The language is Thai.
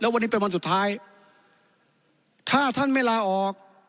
วันนี้เป็นวันสุดท้ายถ้าท่านไม่ลาออก